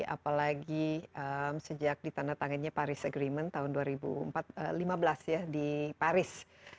apalagi sejak ditandatangani paris agreement tahun dua ribu lima belas ya di paris